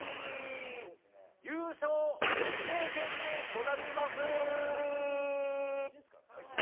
優勝決定戦にござりまする。